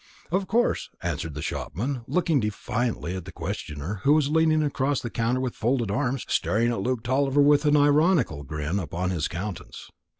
"Of course," answered the shopman, looking defiantly at the questioner, who was leaning across the counter with folded arms, staring at Luke Tulliver with an ironical grin upon his countenance.